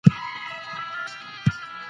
پر کټ باندي پرته وه